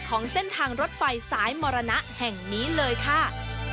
ของเส้นทางรถไฟสายมรณะแห่งนี้เลยค่ะ